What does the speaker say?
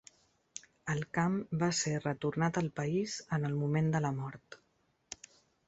El camp va ser retornat al país en el moment de la mort.